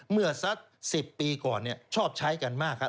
เมื่อสัก๑๐ปีก่อนชอบใช้กันมากครับ